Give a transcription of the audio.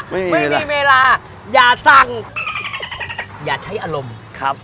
ไม่มีไม่มีเวลาอย่าสั่งอย่าใช้อารมณ์ครับ